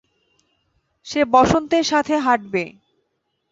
সে বসন্তের সাথে হাঁটবে।